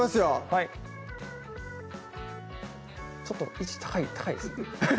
はいちょっと位置高いですねフフフ